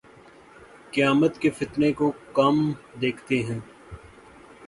قیامت کے فتنے کو، کم دیکھتے ہیں